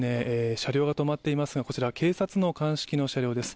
車両が止まっていますがこちらは警察の鑑識の車両です。